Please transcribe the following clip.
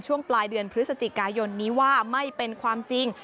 ช่วงปลายเดือนพฤศจิกายนนี้ว่าไม่เป็นความจริง